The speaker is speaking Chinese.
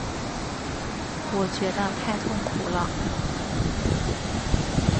我觉得太痛苦了